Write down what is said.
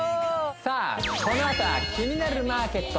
さあこのあとは「キニナルマーケット」